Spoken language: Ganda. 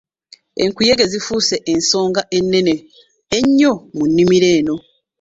Enkuyege zifuuse ensonga ennene ennyo mu nnimiro eno.